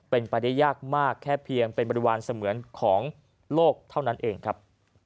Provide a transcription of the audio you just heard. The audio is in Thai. เป็นไปได้ยากมากแค่เพียงเป็นบริวารเสมือนของโลกเท่านั้นเองครับ